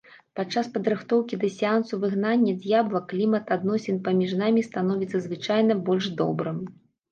Падчас падрыхтоўкі да сеансу выгнання д'ябла клімат адносін паміж намі становіцца звычайна больш добрым.